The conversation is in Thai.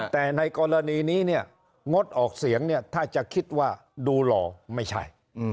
แต่ในกรณีนี้เนี่ยงดออกเสียงเนี่ยถ้าจะคิดว่าดูหล่อไม่ใช่